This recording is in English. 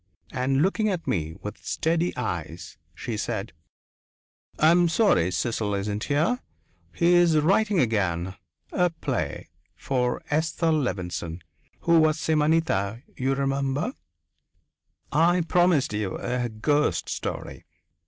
And, looking at me with steady eyes, she said: "I'm sorry Cecil isn't here. He's writing again a play for Esther Levenson, who was Simonetta, you remember?" I promised you a ghost story.